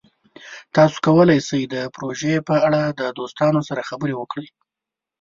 تاسو کولی شئ د پروژې په اړه د دوستانو سره خبرې وکړئ.